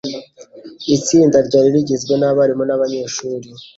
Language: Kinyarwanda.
Itsinda ryari rigizwe nabarimu nabanyeshuri.